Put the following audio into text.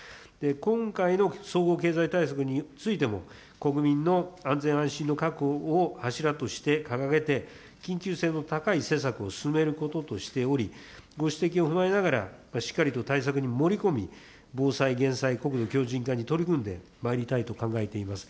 今回の総合経済対策についても、国民の安全安心の確保を柱として掲げて、緊急性の高い施策を進めることとしており、ご指摘を踏まえながら、しっかりと対策に盛り込み、防災・減災・国土強じん化に取り組んでまいりたいと思います。